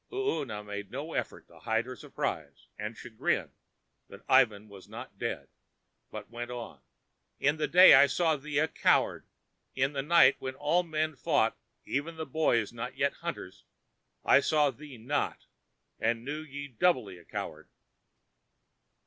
Oona made no effort to hide her surprise and chagrin that Ivan was not dead, but went on: "In the day I saw thee a coward; in the night, when all men fought, even the boys not yet hunters, I saw thee not and knew thee doubly a coward."